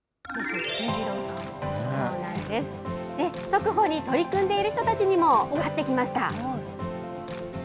速歩に取り組んでいる人たちにも会ってきました。